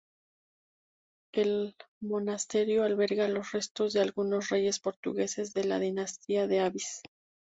El monasterio alberga los restos de algunos reyes portugueses de la Dinastía de Avís.